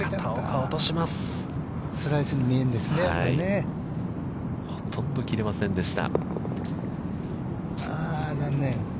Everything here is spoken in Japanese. ほとんど切れませんでした。